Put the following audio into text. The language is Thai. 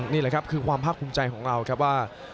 นี่แหละครับคือความภาคภูมิใจของเราครับว่า